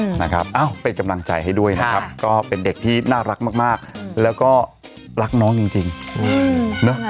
นะครับเอ้าเป็นกำลังใจให้ด้วยนะครับก็เป็นเด็กที่น่ารักมากมากแล้วก็รักน้องจริงจริงอืมเนอะ